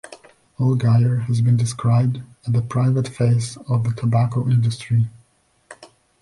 Allgeier has been described as the "private face" of the tobacco industry.